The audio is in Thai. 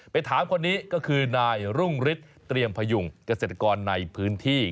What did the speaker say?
ถามคนนี้ก็คือนายรุ่งฤทธิ์เตรียมพยุงเกษตรกรในพื้นที่